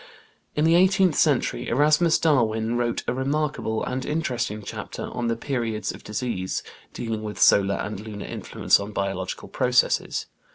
In the eighteenth century Erasmus Darwin wrote a remarkable and interesting chapter on "The Periods of Disease," dealing with solar and lunar influence on biological processes.